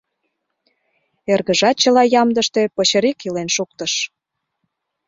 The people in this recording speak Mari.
Эргыжат чыла ямдыште пычырик илен шуктыш.